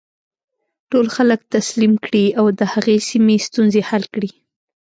ټول خلک تسلیم کړي او د هغې سیمې ستونزې حل کړي.